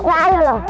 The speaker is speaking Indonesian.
kamu kemana lo